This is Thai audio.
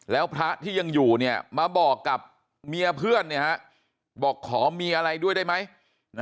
แล้วพระที่ยังอยู่มาบอกกับเมียเพื่อนบอกขอมีอะไรด้วยได้ไหม